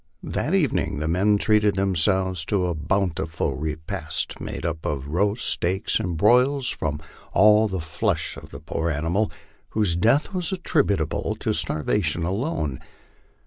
That evening the men treated themselves to a bountiful repast made up of roasts, steaks, and broils, all from the flesh of the poor animal, whose death was attributable to starvation alone.